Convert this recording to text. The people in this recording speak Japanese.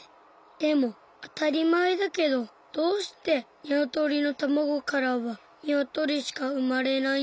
でもあたりまえだけどどうしてニワトリのたまごからはニワトリしかうまれないんだろう。